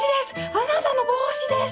あなたの帽子です！